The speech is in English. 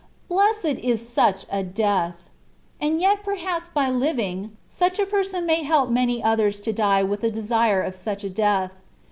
Blessed is such a death ! And yet perhaps by living, such a person may help many others to die with the desire of such a death.